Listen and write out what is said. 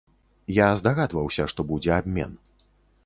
Я здагадваўся, што будзе абмен.